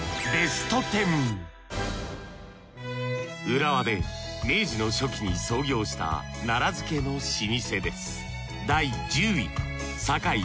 浦和で明治の初期に創業した奈良漬けの老舗です